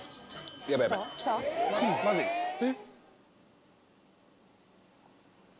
えっ？